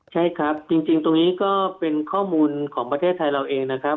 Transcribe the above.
ใช่ครับจริงตรงนี้ก็เป็นข้อมูลของประเทศไทยเราเองนะครับ